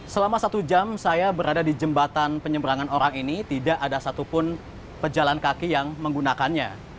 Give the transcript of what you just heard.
selama satu jam saya berada di jembatan penyeberangan orang ini tidak ada satupun pejalan kaki yang menggunakannya